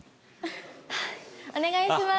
お願いします！